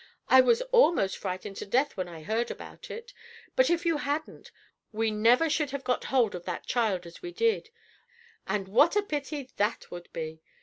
"I was almost frightened to death when I heard about it, but if you hadn't we never should have got hold of that child as we did, and what a pity that would be?